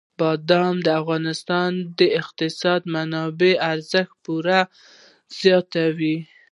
بادام د افغانستان د اقتصادي منابعو ارزښت پوره زیاتوي.